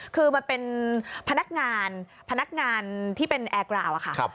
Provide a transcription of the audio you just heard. คือมันเป็นพนักงานพนักงานที่เป็นแอร์กราวอะค่ะ